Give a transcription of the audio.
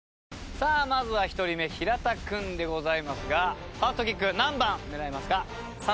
さあまずは１人目平田君でございますがファーストキック何番狙いますか？